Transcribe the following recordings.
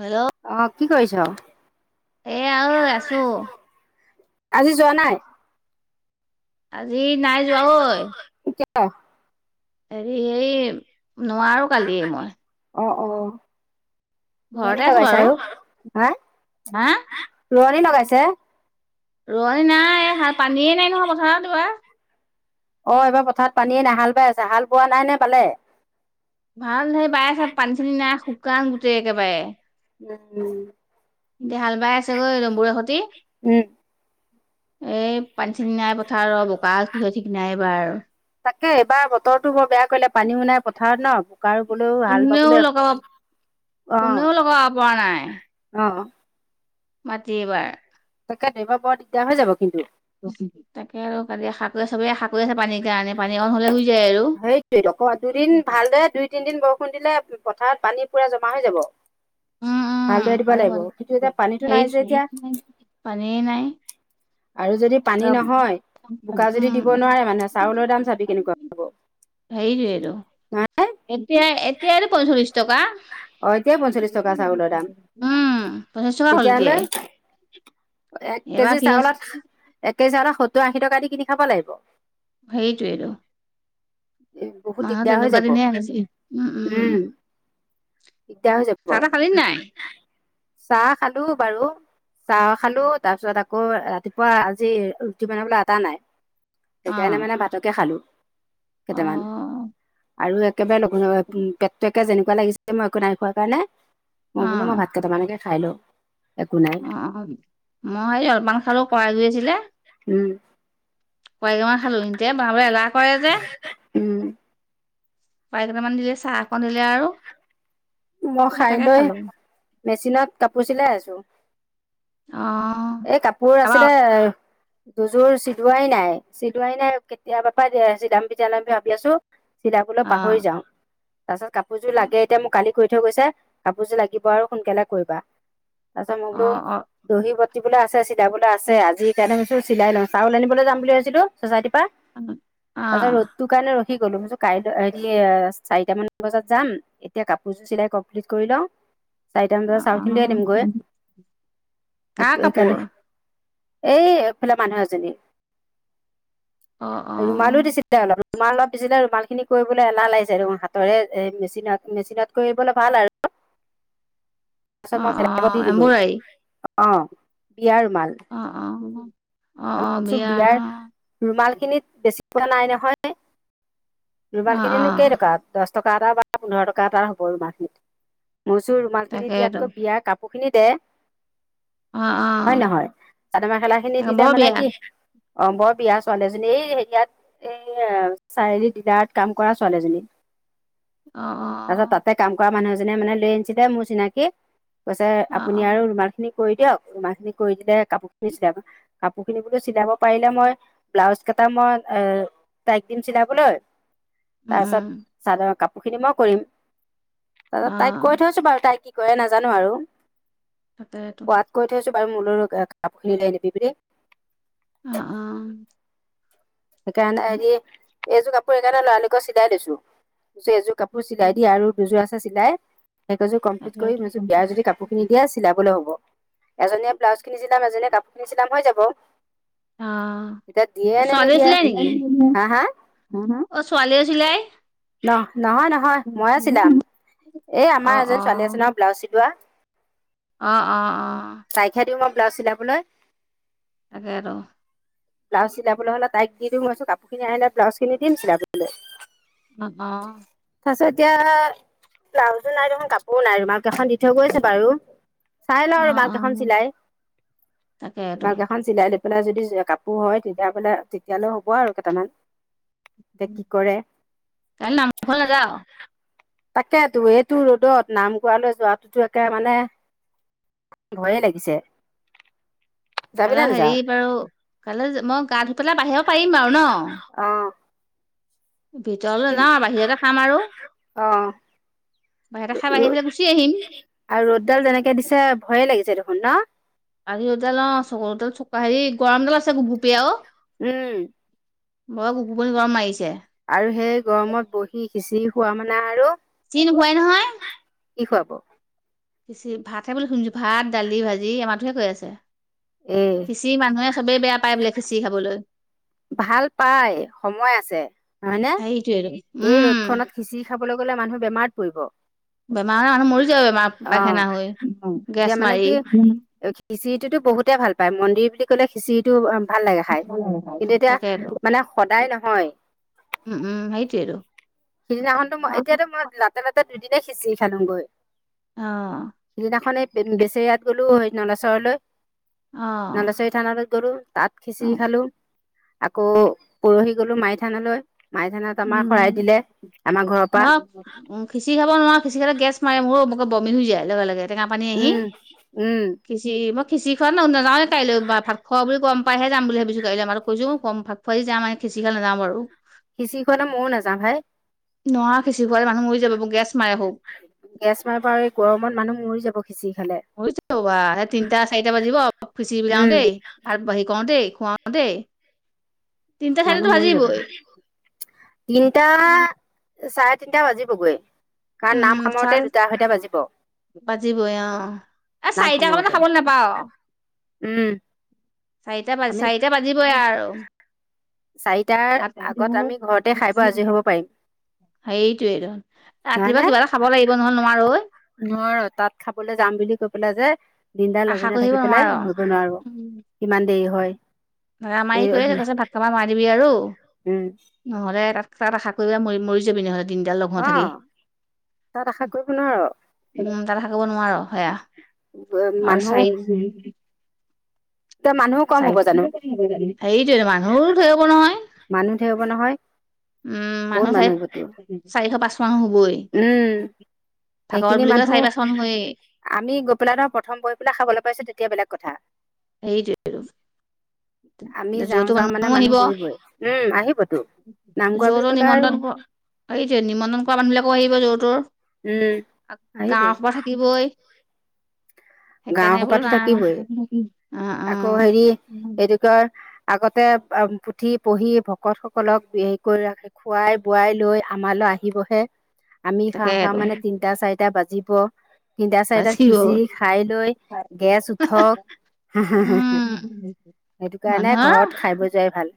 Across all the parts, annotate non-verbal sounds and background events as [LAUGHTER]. Hello. অ কি কৰিছ? এ আৰু ঐ আছোঁ। আজি যোৱা নাই? আজি নাই যোৱা ঐ। কিয়? হেৰি এই নোৱাৰো কালি মই। অ অ ঘৰতে ৰোৱনী আছো লগাইছে বাৰু আৰু হা? হা ৰোৱনি লগাইছে? ৰোৱনী নাই পাণীয়ে নাই নহয় পথাৰত পথাৰত এইবাৰ। অ এইবাৰ পথাৰত পানীয়ে নাই হাল বাই আছে হাল বোৱা নাই নে ৱালে? ভাল সেই ৱাই আছে পানী চানী নাই শুকান গোটেই একেবাৰে। উম। এতিয়া হাল বাই আছেগৈ দম্বুৰে সতি। উম এই পানী চানী নাই পথাৰ বোক কিহৰ ঠিক নাইবাৰ আৰু। তাকে এইবাৰ বতৰটো বৰ বেয়া কৰিলে পানী ও নাই পথাৰত ন। ককাৰো বলেওঁ হাল কোনেও বাবলৈ লগাব অ কোনেও লগাব পৰা নাই অ মাটি এইবাৰ। তাকেই টো এইবাৰ বৰ দিগদাৰ হৈ যাব কিন্তু। [INAUDIBLE] পানী নহ'লে হৈ যায়। আৰু সেইটোয়েই দুদিন ভালদৰে দুই তিনদিন বৰষুণ দিলে পথাৰত পানী পুৰা জমা হৈ যাব। উম উম ভালদৰে দিব পানী লাগিব কিন্তু এতিয়া পানীটো নাই হেৰিত যে এতিয়া। পানীয়ে নাই আৰু যদি পানী উম নহয় বোকা যদি দিব নোৱাৰে মানে চাউলৰ দাম চাবি কেনেকুৱা হ'ব। সেইটোৱেইটো। নহয় এতিয়া এতিয়াটো পঞ্চল্লিশ টকা। অ এতিয়াই পঞ্চল্লিশ টকা চাউলৰ দাম উম পঞ্চাছ টকা হ'ল তেতিয়াহ'লে এতিয়াই। এক এইবাৰ কেজি কি হৈছে চাউলত এক কেজি চাউলত সত্তৰ আশি টকা দি কিনি খাব লাগিব। সেইটোৱেই টোত। বহুত মাহত দিগদাৰ হৈ এনেকুৱা যাব দিনে আহিছে উম উম। দিগদাৰ হৈ যাব চাহ তাহ খালি নাই চাহ খালো বাৰু। চাহ খালোঁ তাৰ পিছত আকৌ ৰাতিপুৱা আজি ৰুটি বনাবলৈ আটা নাই। অ সেইকাৰণে মানে ভাতকে খালোঁ। অ কেইটামান আৰু একেবাৰে পেটটো একে যেনেকুৱা লাগিছে একো নাই খোৱা কাৰণে অ মই বোলো মই ভাত কেটামানকে খাই লওঁ। একো নাই [INAUDIBLE] উম। কোৱিমমান খালো এতিয়া বনাবলৈ এলাহ কৰে যে। উম। বাৰি কেইটামান দিলে চাহ অকণ দিলে আৰু। মই সেই তাকে খাইলৈ খালো মেচিনত কাপোৰ চিলাই আছো। অঁ। এই কাপোৰ আছিলে দুযোৰ চিলোৱাই নাই চিলোৱাই নাই কেতিয়াবাৰ পৰা দিয়া আছে, চিলদাম বিতি নামি ভাবি আছো। চিলাবলে অ পাহৰি যাওঁ। তাৰ পাছত কাপোৰযোৰ লাগে এতিয়া মোক কালি কৰি থৈ গৈছে, কাপোৰযোৰ লাগিব আৰু সোনকালে কৰিবা তাৰ পিছত মই অ বোলো অ দহি বতিবলৈ আছে, চিলাবলৈ আছে আজি সেই কাৰণে থুছো চিলাই লওঁ, চাউল আনিবলৈ যাম বুলি ভাবছিলো চচাইটিৰ পা। অ তাৰপিছত ৰ দ অ তোৰ কাৰণে ৰখি গলো, ভাবিছোঁ কাইলৈ হেৰি এ চাৰিটা মান বজাত যাম, এতিয়া কাপোৰ দুজো চিলাই কমপ্লিট কৰি লওঁ। চাৰিটামান বজাত অ চাউল খিনি লৈ আনিম গৈ, কা সেই কাপোৰ সেইকাৰণে এই এইফালে মানুহ এজনী অ অ। ৰুমালো দিছিলে অলপ ৰুমাল অলপ দিছিলে ৰুমাল খিনি কৰিবলৈ এলাহ লাগিছে, হাতেৰে মেচিনত মেচিনত কৰিবলে ভাল আৰু, তাৰপিছত অ মই অ বেলেগক দি দিলো। এম্ব্ৰইডাৰী অঁ বিয়াৰ ৰুমাল। অঁ অঁ হব। ভাবিছোঁ বিয়াৰ ৰুমাল খিনিত বেছি পোৱা নাই নহয়। অ ৰুমালখিনিনো কেই অ টকা দশ টকা এটা বা পোন্ধৰ টকা এটা হ'ব ৰুমাল খিনিত। মই কৈছো ৰুমাল খিনি তাকেইতো দিয়াতকৈ বিয়াৰ কাপোৰ খিনি দে। অ অ হয় নহয়, চাদৰ মেখেলা খিনি তাকে দিলে বৰ মানে বিয়া অঁ, ৰংঘৰ বিয়া ছোৱালী এজনী এই হেৰিয়াত এ চাৰিআলি ডিলাৰত কাম কৰা ছোৱালীজনী অ অঁ। তাৰপাছত তাতে কাম কৰা মানুহ এজনীয়ে মানে লৈ আনিছিল দে মোৰ চিনাকি কৈছে অ আপুনি অ আৰু ৰুমাল খিনি কৰি দিয়ক, ৰোমাল খিনি কৰি দিলে কাপোৰ খিনি চিলাই লওঁ। বুকুখিনি চিলাব পাৰিলে মই ব্লাউজ কেইটা মই এ তাইক দিম চিলাবলে। উম উম তাৰপিছত চাদৰ কাপোৰ খিনি মই কৰিম, অ তাইক কৈ থৈছো বাৰু তাই কি কৰে নাজানো আৰু। তাকেটো। কোৱাত কৈ থৈছো বাৰু মোৰলৈ কাপোৰ খিনি উলিয়াই নিবি বুলি। অঁ অঁ। সেইকাৰণে হেৰি এইযোৰ কাপোৰ সেইকাৰণে লৰালৰিকৈ চিলাই দিছোঁ। এযোৰ কাপোৰ চিলাই দিয়া আৰু দুযোৰ আছে, চিলাই সেইকেযোৰ কমপ্লিট কৰি মই কৈছোঁ বিয়াৰ যদি কাপোৰ খিনি বেছ। চিলাবলৈ হব, এজনীয়ে ব্লাউজ খিনি চিলাম এজনীয়ে কাপোৰ খিনি চিলাম হৈ যাব। এতিয়া দিয়ে নে নি দিলে নেকি, অ ছোৱালীয়ে চিলায়। ন নহয় ন হয় মইয়ে ছিলাম, এই অ আমাৰ এজন অ ছোৱালী আছে ন ব্লাউজ চিলোৱা। অঁ অঁ অঁ। তাইকহে দিওঁ মই ব্লাউজ চিলাবলৈ। তাকেটো। ব্লাউজ চিলাবলৈ হ'লে তাইক দি দিম, ভাৱিছো কাপোৰখিনি আহিলে ব্লাউজ খিনি দিম চিলাবলৈ। অ' অ' এতিয়া ব্লাউজো নাই দেখোন কাপোৰো নাই ৰুমালকেইখন দি থৈ গৈছে বাৰু। চাই লওঁ অ', ৰুমালকেইখন অ', চিলাই তাকেতো এখন চিলাই লৈ পেলাই যদি কাপোৰ হয়। তেতিয়া বোলে তেতিয়ালে হ'ব আৰু কেইটামান এতিয়া কি কৰে? কাইলৈ নামঘৰ নাযাও তাকেতো এইটো ৰ'দত নামঘৰলৈ যোৱাটোতো একে মানে ভয়ে লাগিছে। যাবিনে কাইলৈ হেৰি নেযাৱ বাৰু কাইলৈ মই গা ধুই পেলাই বাঢ়িব পাৰিম আৰু ন'। অ'। ভিতৰলৈ কি নাযাওঁ বাহিৰতে খাম আৰু। অ বাহিৰতে খাই, বাহিৰে বাহিৰে গুচি আহিম। আৰু ৰ'দডাল যেনেকে দিছে ভয়ে লাগিছে দেখোন ন'। আজি ৰ'দডাল অ' চকুতে চোকা হেৰি গৰমডাল আছে গোপ গোপীয়া অ'। উম বৰ গোপ গোপনী গৰম মাৰিছে। আৰু সেই গৰমত বহি খিচিৰি খোৱা মানে আৰু। [UNINTELLIGIBLE] কি খোৱাব? ভাতহে বুলি শুনিছো। ভাত, দালি, ভাজি আমাৰটোহে কৈ আছে। এ খিচিৰি মানুহে চবেই বেয়া পায় বোলে খিচিৰি খাবলৈ। ভাল পাই, সময় আছে হয়নে? সেইটোৱেটো এই উম ৰ'দখনত খিচিৰি খাবলে গ'লে মানুহ বেমাৰত পৰিব। বেমাৰ হৈ মানুহ মৰি যাব। বেমাৰ অ পাইখানা হৈ গেছ এতিয়া মানে কি মাৰি খিচিৰিটোতো বহুতে ভাল পায় মন্দিৰ বুলি ক'লে খিচিৰিটো ভাল লাগে খাই। কিন্তু এতিয়া তাকেতো মানে সদায় নহয়। উম উম সেইটোৱেটো। সিদিনাখনতো মই এতিয়াতো মই লাতে লাতে দুদিনে খিচিৰা খালোংগৈ। অ' সিদিনাখনে বেচেয়াত গ'লো নলচৰলৈ। অ', নলচৰিত থানলৈ গ'লো তাত খিচিৰি খালো। আকৌ পৰহি গ'লো মাই থানলৈ মাই থানত আমাৰ শৰাই উম, দিলে আমাৰ ঘৰৰ পৰা। মই উম খিচিৰি খাব নোৱাৰা। খিচিৰি খালে গেছ মাৰে মোৰো বমি হৈ যায় লগে লগে টেঙা পানী আহি। উম উম মই খিচিৰি খোৱা নে নাযাৱে কাইলৈ ভাত খোৱা বুলি পাইহে যাম বুলি ভাবিছো কাইলৈ। আমাৰটোক কৈছো কম ভাত খুৱাই যাম আৰু খিচিৰি খোৱালে নাযাও আৰু। খিচিৰি খোৱালে ময়ো নাযাও ভাই। নোৱাৰ খিচিৰি খুৱালে মানুহ মৰি যাব গেছ মাৰে হোক গেছ মাৰে বাৰু এই গৰমত মানুহ মৰি যাব খিচিৰি খালে। সেই তিনিটা চাৰিটা বাজিব খিচিৰি উম বিলাওঁতেই মানুহ মৰি যাব [UNINTELLIGIBLE] তিনটা চাৰে তিনটা বাজিবগৈ। কাৰণ উম নাম সামৰোতে চাৰে দুটা আঢ়ৈটা বাজিব [UNINTELLIGIBLE] বাজিবই আ। নাম চাৰিটা সামৰোতে ক'লে খাবলৈ নাপাও আ। উম চাৰিটা বাজ আমি চাৰিটা বাজিবই আৰু। চাৰিটাৰ ভাত আগত আমি ঘৰতে খাই বৈ আজৰি হ'ব পাৰিম। সেইটোয়ে ধ ৰাতিপুৱা কিবা এটা খাব লাগিব নহলে নোৱাৰো অই নোৱাৰ তাত খাবলৈ যাম বুলি কৈ পেলাই যে দিনদাৰ আশা লগঘনীয়া কৰি থাকিব থাকি নোৱাৰ পেলাই ধৰিব নোৱাৰো কিমান দেৰি হয় অ আমাৰ এই ই কৰিয় তছে ভাত খাবা নোৱাৰিবি আৰু উম নহলে তাত তাত আশা কৰিবা ম মৰি যাবি নহ'লে দিনডাল লঘনে অ থাকি তাত আশা কৰিব নোৱাৰ উম তাত থাকিব নোৱাৰো সেয়া আৰু মানুহ চাৰি [UNINTELLIGIBLE] ত মানুহক চ [UNINTELLIGIBLE] সেইটোৱে মানুহৰো থৈ হব নহয় মানুহ থে হব নহয় উম বহুত মানুহ হ'বতো চাৰি চাৰিশ পাঁচ মানুহ হ'বই উম ভাগৱত সেইখিনি বুলি কয় মানুহ চাৰি পাঁচশ হয়েই আমি গৈ পেলাই ত প্ৰথম বহি পেলাই খাবলৈ পাইছো তেতিয়া বেলেগ কথা সেইটোৱেই ত আমি যাওঁ যাওঁ মানে মানুহ আহিব বহিবই উম আহিবতো নাম গোৱা বুলি য'তো কলে আৰু নিমন্ত্ৰণ কৰ সেইটোৱে নিমন্ত্ৰণ কৰা মানুহবিলাকো আহিব যৰ তৰ উম আহিবই গাঁৱৰহুপা থাকি থাকিবই গাঁও সেইকাৰণে বোলো সোপাতো থাকিবই নাই অ অ আকৌ হেৰি এইটো ক আগতে পুথি পঢ়ি ভকত সকলক হেৰি কৰি ৰাখে খোৱাই বোৱাই লৈ আমালৈ আহিবহে। আমি খাওঁ খাওঁ তাকেটো মানে তিনটা চাৰিটা বাজিব। তিনিটা চাৰিটাত বাচিব সিচি খাই লৈ গেছ উঠক হা হা হা উম সেইটো কাৰণে ঘৰত খাই বৈ যোৱাই ভাল।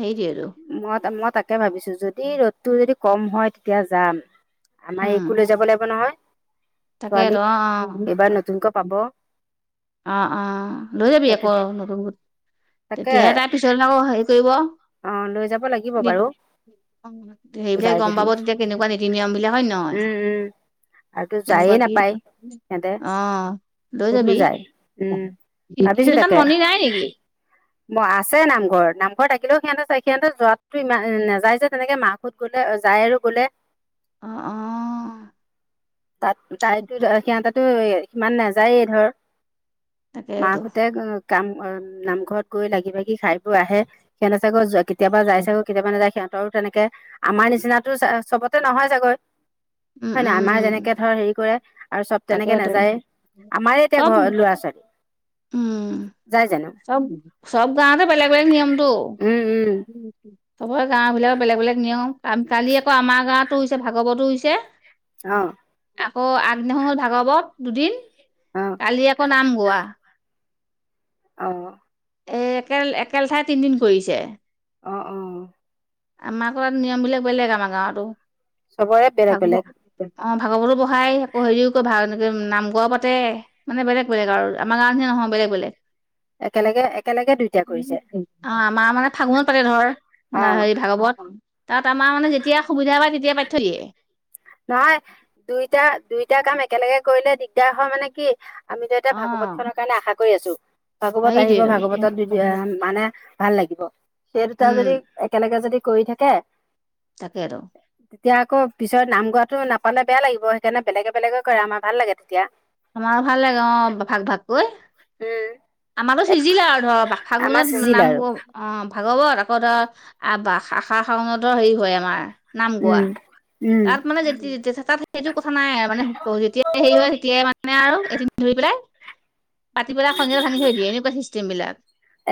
হেইতোয়েটো। মই মই তাকে ভাবিছো যদি ৰ'দটো যদি কম হয় তেতিয়া যাম। আমাৰ একো লৈ যাব লাগিব নহয়। তাকেটো ছোৱালীক অ' অ' এইবাৰ নতুনকৈ পাব। অ' অ' লৈ যাবি তাকে আকৌ নতুন গোট তাকে তেতিয়াহে তাৰ পিছৰ আকৌ হেৰি কৰিব। অ' লৈ যাব লাগিব বাৰু। সেইবিলাক যায় গ'ম যদি পাব তেতিয়া কেনেকুৱা নীতি নিয়ম বিলাক হয় নে নহয়। উম উম আৰুতো যায়ে তেনেকুৱা কি নাপায় সিহঁতে আহঁ লৈ ক'তনো যাবি। যায় উম সিহতৰ তাত মন্দিৰ নাই নেকি? ম আছে নামঘৰ নামঘৰ ত কিন্তু সিহঁতে চা সিহঁতে যোৱাতটো ইমান নাযায় যে তেনেকে মাকত গ'লে যায় আৰু গ'লে অ' অ' তাত তাইতো সিহঁতো সিমান নাযায়েই ধৰ। তাকেতো মাকহতে কাম নামঘৰত গৈ লাগি ভাগি খাইবোৰ আহে সেহেতে চাগৈ কেতিয়াবা যাই চাগৈ কেতিয়াবা নযায় সিহঁতৰ আৰু তেনেকে আমাৰ নিচিনাটো চ'বতে নহয় চাগৈ। উম হয় না আমাৰ উম যেনে কে ধৰ হেৰি কৰে আৰু চ'ব তেনেকে তাকেতো নাযায়েই আমাৰে এতিয়া চব ঘৰ ল'ৰা ছোৱালী যাই য চ'ব চ'ব গাৱতে বেলেগ বেলেগ নিয়মটো উম উম চ'বৰে গাঁওবিলাকত বেলেগ বেলেগ নিয়ম, কালি আকৌ আমাৰ গাঁৱতো হৈছে, ভাগৱতো হৈছে। অ'। আকৌ আগদিনাখন হ'ল ভাগৱত, দুদিন। অ'। কালি আকৌ নাম গোৱা। অ'। এই এক-একে লেঠাই তিনদিন কৰিছে। অ', অ'। আমাৰ আকৌ ইয়াত নিয়মবিলাক বেলেগ আমাৰ গাঁৱতো, চবৰে বেলেগ ভাগ বেলেগ অ', ভাগৱতো পঢ়াই, আকৌ হেৰিও [UNINTELLIGIBLE] ভাগ এনেকে নাম [UNINTELLIGIBLE] পাতে। মানে বেলেগ বেলেগ আৰু, আমাৰ গাৱঁৰ নিচিনা নহয় বেলেগ বেলেগ। একেলগে একেলগে দুইটা কৰিছে অ', আমাৰ মানে ফাগুনত পাতে, ধৰ অ হেৰি ভাগবত, তাত আমাৰ মানে যেতিয়া সুবিধা পায় তেতিয়াই পাতি থৈ দিয়ে। নহয়, দুইটা-দুইটা কাম একেলগে কৰিলে দিগদাৰ হয় মানে কি আমিতো এতিয়া অ ভাগৱত খনৰ কাৰণে আশা কৰি আছোঁ। ভাগৱত আহিব, সেইটোৱেতো ভাগৱতত [UNINTELLIGIBLE] মানে ভাল লাগিব। সেই দুটা উম যদি, একেলগে যদি কৰি থাকে তাকেটো। তেতিয়া আকৌ পিছত নাম গোৱাটো নাপালে বেয়া লাগিব, সেইকাৰণে বেলেগে বেলেগে কৰে আমাৰ ভাল লাগে তেতিয়া। আমাৰো ভাল লাগে অ' ভাগ-ভাগকৈ। উম। আমালৈ সিজিলে আৰু ধৰ, [UNINTELLIGIBLE] আমাৰ ফাগুনত চিজিল নাম আৰু [UNINTELLIGIBLE] অ', ভাগৱত, আকৌ ধৰ আশা-শাওনতো হেৰি হয় আমাৰ নাম উম গোৱা। উম তাত মানে যেতি [UNINTELLIGIBLE] সেইটো কথা নাই, মানে [UNINTELLIGIBLE] যেতিয়াই হেৰি হয় তেতিয়াই মানে আৰু এদিন ধৰি পেলাই পাতি পেলাই সন্ধিয়া ভাঙি থৈ দিয়ে, এনেকুৱা চিষ্টেম বিলাক।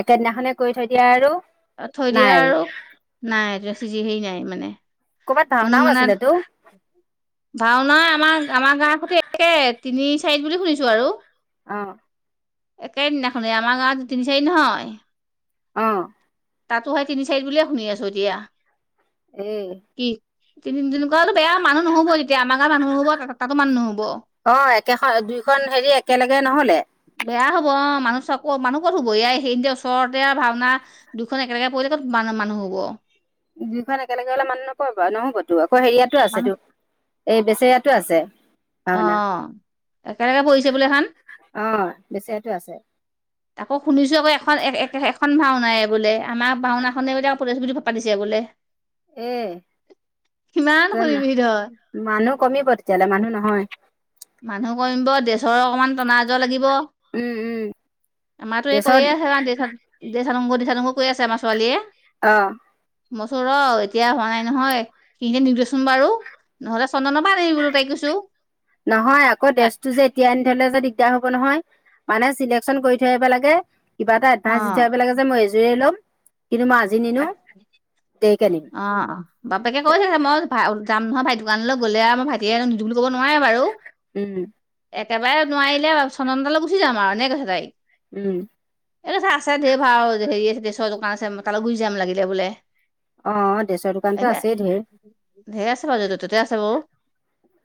একেদিনাখনে কৰি থৈ দিয়া আৰু, থৈ দিয়ে নাই আৰু। নাই, [UNINTELLIGIBLE] মানে। ক'ৰবাত কোনো ভাওনাও মানে আছিলেতো? ভাওনা আমাৰ-আমাৰ গাঁৱৰ সৈতে একে, তিনি চাৰিত বুলি শুনিছো আৰু। অ'। একেদিনাখনে, আমাৰ গাঁৱত তিনি চাৰি দিন হয়। অ'। তাতো সেই তিনি চাৰিত বুলিয়ে শুনি আছোঁ এতিয়া। উম। কি তি তেনেকুৱাতো বেয়া মানুহ নহ'ব তেতিয়া, আমাৰা গাৱতো মানুহ নহ'ব ত' তাতো মানুহ নহব। অ', একেখন, দুইখন হেৰি একেলগে নহলে। বেয়া হ'ব অ' মানুহ চকৌ মানুহ কত হ'ব, ইয়া [UNINTELLIGIBLE] ওচৰতে ভাওনা। দুখন একলেগে পৰিলে ক'ত মানু-মানুহ হ'ব। দুইখন হেৰি একেলগে হ'লে মানুহ নকৰিব নহ'বতো, আকৌ হেৰিয়াতো মানুহ আছেতো এই বেচেৰাতো আছে। ভাওনা অ', একেলগে পৰিছে বোলে এইখন। অ বেচেৰিয়াতো আছে আকৌ শুনিছো আকৌ এখন এ-এখন ভাওনাই বোলে, আমাৰ ভাওনাখনে বোলে [UNINTELLIGIBLE] বুলি পাতিছে বোলে। এ কিমান শুনিবি তই মানুহ কমিব তেতিয়া‌ হ'লে, মানুহ নহয়। মানুহ কমিব, দেছৰ অকনমান টনা-আজৰ লাগিব। উম উম আমাতো এই ড্ৰেছত কৈয়ে আছে [UNINTELLIGIBLE] কৈয়ে আছে আমাৰ ছোৱালীয়ে। অ। মইচো ৰ এতিয়া হোৱা নাই নহয়, সি এতি নিদেচোন বাৰু। নহলে চন্দন পা আনিবি বোলো তাইক কৈছো। নহয় আকৌ ড্ৰেছটো যে এতিয়া আনি থলে যে দিগদাৰ হব নহয় মানে চিলেকচন কৰি থৈ আহিব লাগে। কিবা এটা এডভান্স দি থৈ অ', আহিব লাগে যে মই এইযোৰে লম, কিন্তু মই আজি নি অ অ বাপেকে কৈছে মই ভা যাম নহয় ভাইটি দোকানলৈ গ'লে আও আমাৰ ভাইটিয়ে নিদো বুলি ক'ব নোৱাৰে বাৰু। উম। একেবাৰে নোৱাৰিলে চন্দনৰ তালে গুচি যাম আৰু এনেকে কৈছে তাইক। উম। এই আছে ঢেৰ ভাৰ অ হেৰি আছে ড্ৰেছৰ দোকান আছে তালৈ গুচি যাম লাগিলে বোলে। অ ড্ৰেছৰ দোকানতো আছেই ঢেৰ। ধেৰ আছে বাউ যতে ততে আছে বাউ।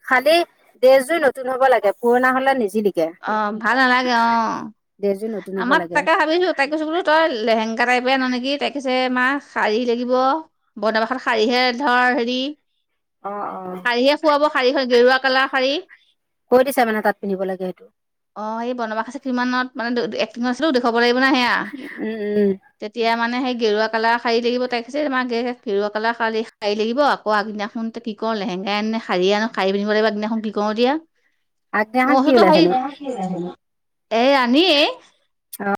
খালী ড্ৰেছযোৰ নতুন হব লাগে পুৰণা হলে নিজিলিকে। অ ভাল নাল ড্ৰেছযোৰ নতুন হ'ব লাগে। তাইক কৈছে বোলো তই লেহেংগা টাইপে আন নেকি তাইক- ছে আছে মা শাৰী লাগিব বনবাসত শাৰীহে ধৰ হেৰি। অ অ। শাড়ীয়ে শুৱাব শাড়ী হে গৰুৱা কালাৰ শাড়ী। কৈ দিছে মানে তাত পিন্ধিব লাগে সেইটো। অ সেই বনবাস আছে কিমানত মানে এক্টিঙ আছিলো দেখুৱাব লাগিব না সেয়া। উম উম। তেতিয়া মানে সেই। গেৰুৱা কালাৰ শাড়ী লাগিব তাই কৈছে মা গে গেৰুৱা কালাৰ শাড়ী শাড়ী লাগিব আকৌ আগদিনাখন- এ কি কৰো লেহেঙ্গা আনোনে শাড়ী আনো শাড়ী পিন্ধিব লাগিব আগদিনাখন কি কৰো এতিয়া। মই আগদিনাখন কি কৈছো তো হই ওলাইছেনো? এ আমিয়ে